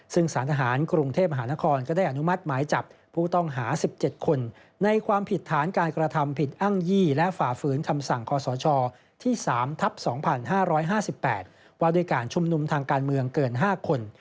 ซึ่งสารทหารกรุงเทพมหานครก็ได้อนุมัติหมายจับผู้ต้องหา๑๗คนในความผิดฐานการกระทำผิดอ้างยี่และฝ่าฝืนคำสั่งคศที่๓ทับ๒๕๕๘ว่าด้วยการชุมนุมทางการเมืองเกิน๕คน